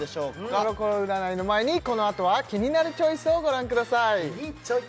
コロコロ占いの前にこのあとは「キニナルチョイス」をご覧ください